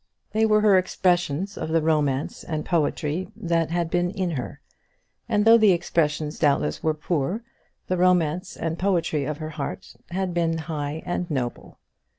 They were her expressions of the romance and poetry that had been in her; and though the expressions doubtless were poor, the romance and poetry of her heart had been high and noble.